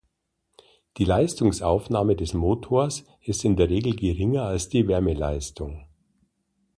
Die Leistungsaufnahme des Motors ist in der Regel geringer als die Wärmeleistung.